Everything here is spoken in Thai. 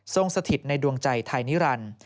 สถิตในดวงใจไทยนิรันดิ์